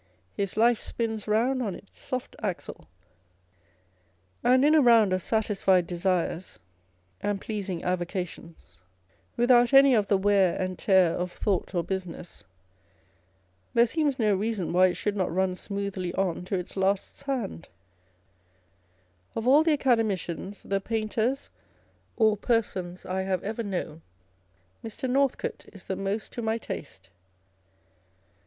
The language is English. " His life spins round on its soft axle ;" and in a round of satisfied desires and pleasing 124 On the Old Age of Artists. avocations, without any of the wear and tear of thought or business, there seems no reason why it should not run smoothly on to its last sand ! Of all the Academicians, the Painters, or persons I have ever known, Mr. Northcote is the most to my taste.